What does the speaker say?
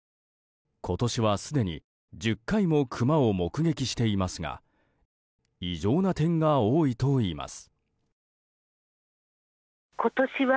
今年は、すでに１０回もクマを目撃していますが異常な点が多いといいます。